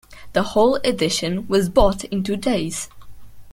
The whole edition was bought in two days.